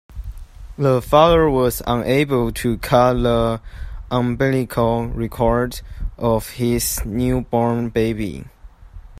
The father was unable to cut the umbilical cord of his newborn baby.